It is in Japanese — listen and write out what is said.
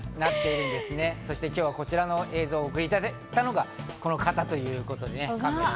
今日はこちらの映像をお送りいただいたのがこの方ということでね。